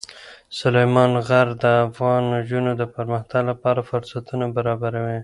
سلیمان غر د افغان نجونو د پرمختګ لپاره فرصتونه برابروي.